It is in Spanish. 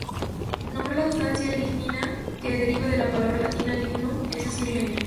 Nombró la sustancia "lignina", que deriva de la palabra latina "lignum", es decir, 'leña'.